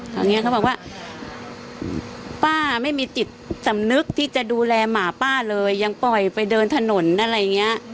ตอนนี้เขาบอกว่าป้าไม่มีจิตสำนึกที่จะดูแลหมาป้าเลยยังปล่อยไปเดินถนนอะไรอย่างนี้